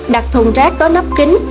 đặt thùng rác có nắp kính